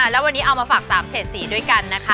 แล้ววันนี้เอามาฝาก๓เฉดสีด้วยกันนะคะ